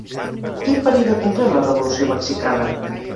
Quin període compren la Revolució Mexicana?